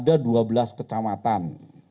ada dua belas kecamatan